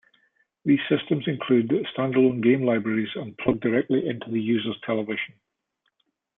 These systems include stand-alone game libraries and plug directly into the user's television.